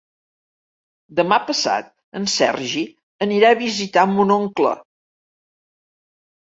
Demà passat en Sergi anirà a visitar mon oncle.